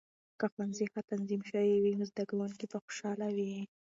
که ښوونځي ښه تنظیم شوي وي، نو زده کونکې به خوشاله وي.